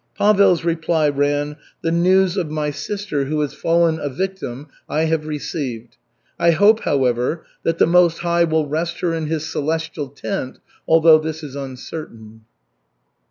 Pavel's reply ran: "The news of my sister, who has fallen a victim, I have received. I hope, however, that the Most High will rest her in His celestial tent, although this is uncertain."